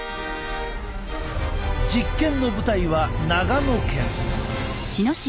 実験の舞台は長野県。